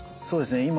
そうですね。